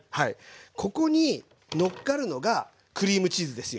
ここにのっかるのがクリームチーズですよ。